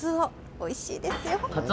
おいしいですよ。